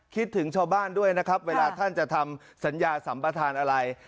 ถึงชาวบ้านด้วยนะครับเวลาท่านจะทำสัญญาสัมปทานอะไร